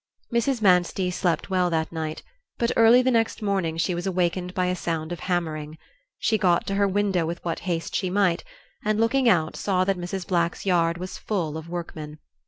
Mrs. Manstey slept well that night, but early the next morning she was awakened by a sound of hammering. She got to her window with what haste she might and, looking out saw that Mrs. Black's yard was full of workmen.